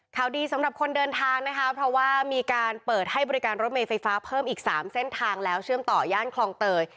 ข่าวดีสำหรับคนเดินทางนะคะเพราะว่ามีการเปิดให้บริการรถเมย์ไฟฟ้าเพิ่มอีก๓เส้นทางแล้วเชื่อมต่อย่านคลองเตย